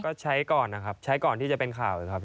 ก็ใช้ก่อนนะครับใช้ก่อนที่จะเป็นข่าวนะครับ